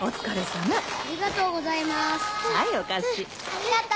ありがとう。